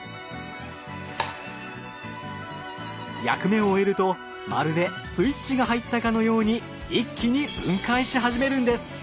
役目を終えるとまるでスイッチが入ったかのように一気に分解し始めるんです。